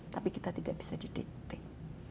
tapi kita tidak bisa dideteksi